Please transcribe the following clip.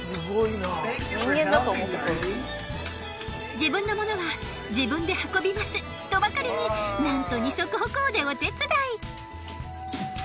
自分の物は自分で運びますとばかりになんと二足歩行でお手伝い。